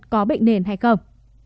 có bệnh nền hay không